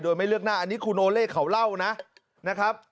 โดยไม่เลือกหน้าอันนี้คุณโอเล่เขาเล่านะครับ